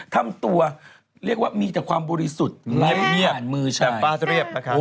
ทำตัวเรียกว่ามีแต่ความบุรีสุทธิ์ง่ายแต่ฟาดเรียบนะครับ